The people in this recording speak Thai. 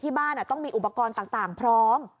บ้านต้องมีอุปกรณ์ต่างพร้อม